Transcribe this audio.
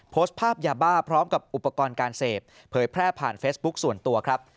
โพสต์ภาพยาบ้าพร้อมกับอุปกรณ์การเสพเผยแพร่ผ่านเฟซบุ๊คส่วนตัวครับ